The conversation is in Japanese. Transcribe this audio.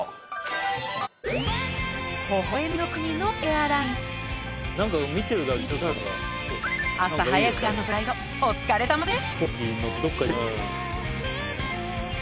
微笑みの国のエアライン朝早くからのフライトお疲れさまです